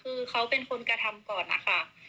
คือเขาเป็นคนกระทำก่อนนะคะ